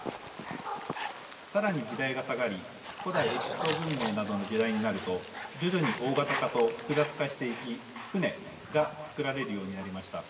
更に時代が下がり古代エジプト文明などの時代になると徐々に大型化と複雑化していき船が造られるようになりました。